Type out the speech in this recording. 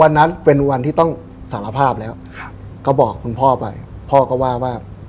วันนั้นเป็นวันที่ต้องสารภาพแล้วก็บอกคุณพ่อไปพ่อก็ว่าว่า